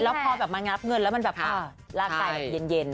แล้วพอแบบมางับเงินแล้วมันแบบร่างกายแบบเย็น